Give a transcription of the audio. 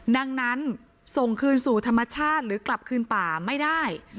ดังนั้นส่งคืนสู่ธรรมชาติหรือกลับคืนป่าไม่ได้